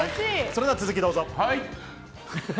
それでは続きをどうぞ。